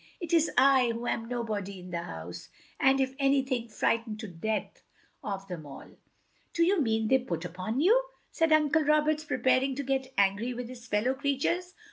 It is I who am nobody in the house, and if anything, fright ened to death of them all. "" Do you mean they put upon you? " said Uncle Roberts, preparing to get angry with his fellow creatures.